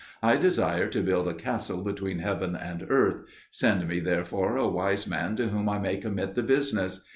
I desire to build a castle between heaven and earth. Send me therefore a wise man to whom I may commit the business.